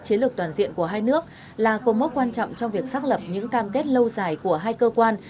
chiến lược toàn diện của hai nước là cố mốc quan trọng trong việc xác lập những cam kết lâu dài của hai cơ quan